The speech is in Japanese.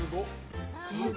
贅沢。